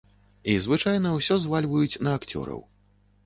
І звычайна ўсё звальваюць на акцёраў.